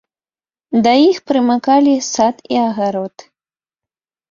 Да іх прымыкалі сад і агарод.